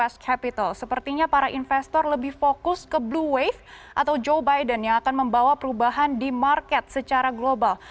sepertinya para investor lebih fokus ke blue wave atau joe biden yang akan membawa perubahan di market secara global